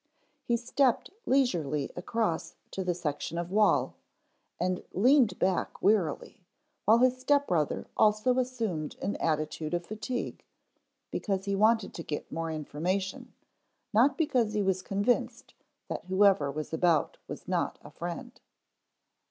He stepped leisurely across to the section of wall, and leaned back wearily, while his step brother also assumed an attitude of fatigue, because he wanted to get more information, not because he was convinced that whoever was about was not a friend.